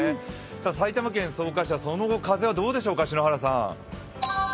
埼玉県草加市はその後、風はどうでしょうか。